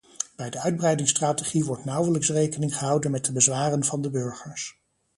Bij de uitbreidingsstrategie wordt nauwelijks rekening gehouden met de bezwaren van de burgers.